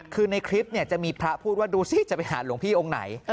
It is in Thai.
คือในคลิปจะมีพระพูดว่าดูสิจะไปหาหลวงพี่องค์ไหน